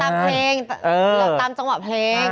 ตามเพลงตามจังหวะเพลง